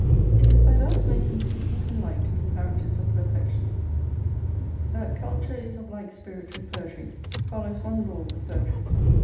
It is by thus making sweetness and light to be characters of perfection, that culture is of like spirit with poetry, follows one law with poetry.